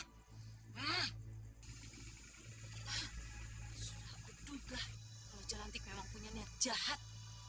sudah bedud lah kalau jelantik memang punya niat jahat